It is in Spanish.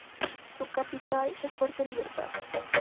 Su capital es Fuerte Libertad.